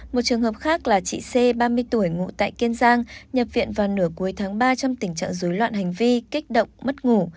một trường hợp khác là chị c ba mươi tuổi ngụ tại kiên giang nhập viện vào nửa cuối tháng ba trong tình trạng dối loạn hành vi kích động mất ngủ